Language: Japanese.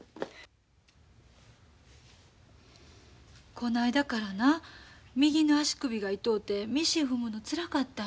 この間からな右の足首が痛うてミシン踏むのつらかったんや。